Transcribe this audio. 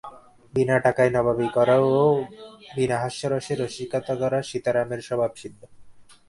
বিনা টাকায় নবাবি করা ও বিনা হাস্যরসে রসিকতা করা সীতারামের স্বভাবসিদ্ধ।